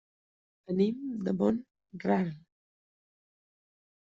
Venim de Mont-ral.